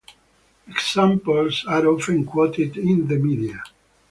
Examples are often quoted in the media.